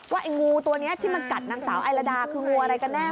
ไอ้งูตัวนี้ที่มันกัดนางสาวไอลาดาคืองูอะไรกันแน่